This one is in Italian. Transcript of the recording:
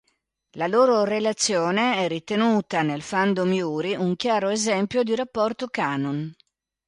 La loro relazione è ritenuta, nel fandom yuri, un chiaro esempio di rapporto canon.